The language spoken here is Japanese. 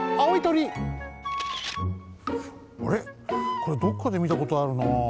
これどっかでみたことあるなあ。